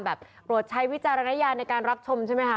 โปรดใช้วิจารณญาณในการรับชมใช่ไหมคะ